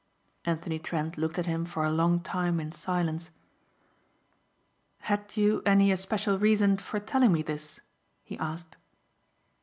Anthony Trent looked at him for a long time in silence. "Had you any especial reason for telling me this?" he asked.